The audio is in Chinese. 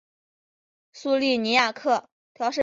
苏利尼亚克。